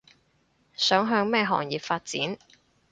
想向咩行業發展